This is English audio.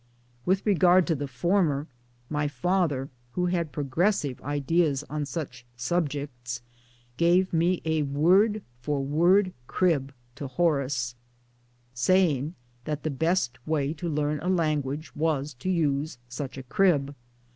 With regard to the former, my father who had progres sive ideas on such subjects gave me a word for word crib to Horace, saying that the best way to learn a language was to use such a crib.